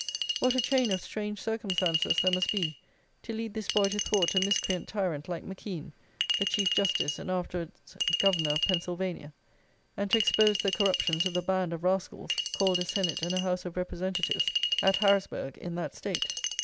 What a chain of strange circumstances there must be to lead this boy to thwart a miscreant tyrant like Mackeen, the Chief Justice and afterwards Governor of Pennsylvania, and to expose the corruptions of the band of rascals, called a "Senate and a House of Representatives," at Harrisburgh, in that state!